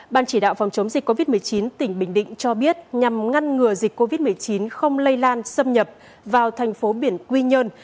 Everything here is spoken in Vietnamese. ban chỉ đạo phòng chống dịch covid một mươi chín tỉnh bình định cho biết nhằm ngăn ngừa dịch covid một mươi chín không lây lan xâm nhập vào thành phố biển quy nhơn